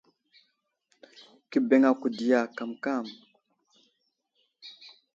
Kə bəŋ ako diya kamkam.